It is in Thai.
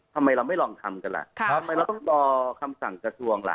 ทำไมเราไม่ลองทำกันล่ะทำไมเราต้องรอคำสั่งกระทรวงล่ะ